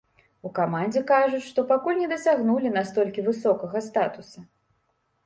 У камандзе кажуць, што пакуль не дасягнулі настолькі высокага статуса.